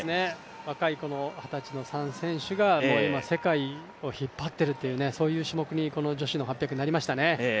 若い二十歳の３選手が今、世界を引っ張っているという種目にこの女子の８００はなりましたね。